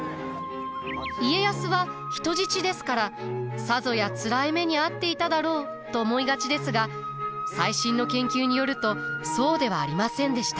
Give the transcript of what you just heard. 家康は人質ですからさぞやつらい目に遭っていただろうと思いがちですが最新の研究によるとそうではありませんでした。